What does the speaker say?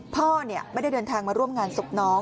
พ่อไม่ได้เดินทางมาร่วมงานศพน้อง